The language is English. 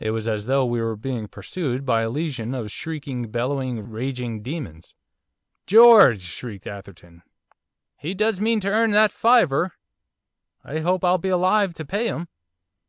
It was as though we were being pursued by a legion of shrieking, bellowing, raging demons. 'George!' shrieked Atherton, 'he does mean to earn that fiver. I hope I'll be alive to pay it him!